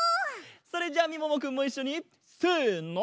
それじゃみももくんもいっしょにせの！